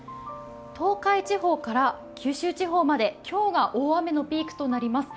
東海地方から九州地方まで今日が大雨のピークとなります。